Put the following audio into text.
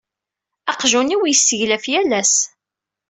Aqjun-iw yesseglaf yal ass.